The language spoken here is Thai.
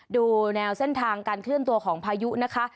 ดูแนวเส้นทางการเคลื่อนตัวของพายุนะคะ